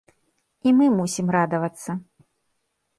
І мы мусім радавацца!